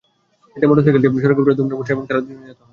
এতে মোটরসাইকেলটি সড়কে পড়ে দুমড়ে-মুচড়ে যায় এবং তাঁরা দুজন নিহত হন।